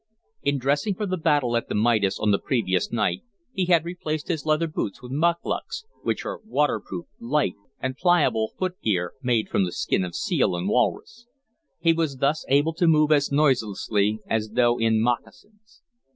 In dressing for the battle at the Midas on the previous night he had replaced his leather boots with "mukluks," which are waterproof, light, and pliable footgear made from the skin of seal and walrus. He was thus able to move as noiselessly as though in moccasins.